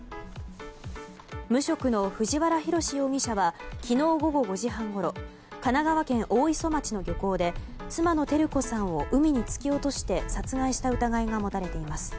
無職の藤原宏容疑者は昨日午後５時半ごろ神奈川県大磯町の漁港で妻の照子さんを海に突き落として殺害した疑いが持たれています。